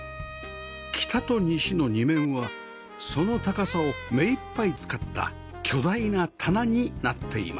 北と西の二面はその高さを目いっぱい使った巨大な棚になっています